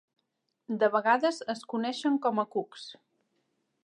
De vegades es coneixen com a "cucs".